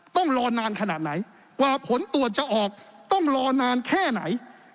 ต้องรอนานขนาดไหน